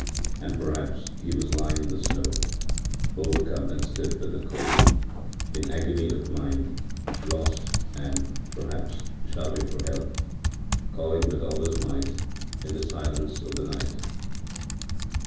And, perhaps, he was lying on the snow, overcome and stiff with the cold, in agony of mind, lost and, perhaps, shouting for help, calling with all his might in the silence of the night..